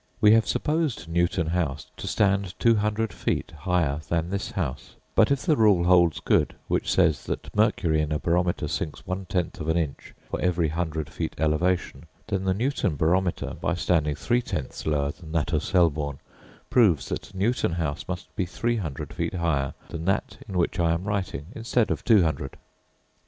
We have supposed Newton house to stand two hundred feet higher than this house: but if the rule holds good, which says that mercury in a barometer sinks one tenth of an inch for every hundred feet elevation, then the Newton barometer, by standing three tenths lower than that of Selborne, proves that Newton house must be three hundred feet higher than that in which I am writing, instead of two hundred.